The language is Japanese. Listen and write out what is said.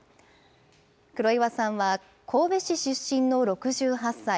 黒岩さんは神戸市出身の６８歳。